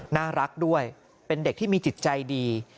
น่ารักด้วยเป็นเด็กที่มีจิตใจดี